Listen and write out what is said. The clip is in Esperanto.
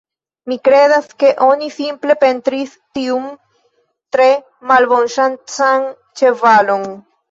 Mi kredas, ke oni simple pentris tiun tre malbonŝancan ĉevalon